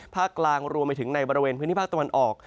กลางรวมไปถึงในบริเวณพื้นที่ภาคตะวันออก